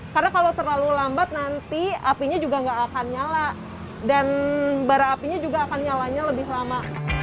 karena kalau terlalu lambat nanti apinya juga nggak akan nyala dan bara apinya juga akan nyalanya lebih lama